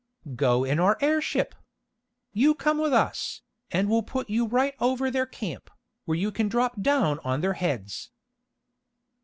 "Go in our airship! You come with us, and we'll put you right over their camp, where you can drop down on their heads."